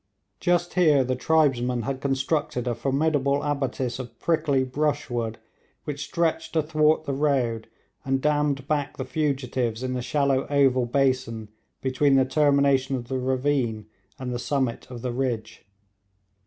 Just here the tribesmen had constructed a formidable abattis of prickly brushwood, which stretched athwart the road, and dammed back the fugitives in the shallow oval basin between the termination of the ravine and the summit of the ridge.